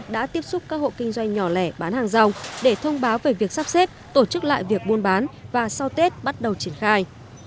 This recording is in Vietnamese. đã tiếp xúc các hộ kinh doanh nhỏ lẻ bán hàng rong để thông báo về việc sắp xếp tổ chức lại việc buôn bán và sau tết bắt đầu triển khai